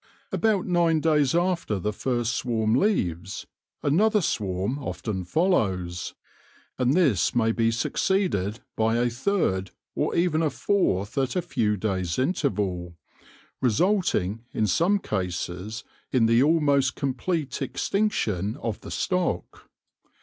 About nine days after the first swarm leaves, another swarm often follows, and this may be succeeded by a third or even a fourth at a few days' interval, result ing in some cases in the almost complete extinction of the stock.